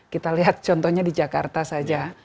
kita lihat contohnya di jakarta saja